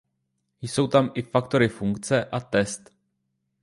Jsou tam i factory funkce a test.